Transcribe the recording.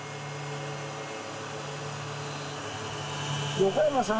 横山さん。